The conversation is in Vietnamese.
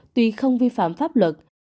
tuy không vi phạm pháp luật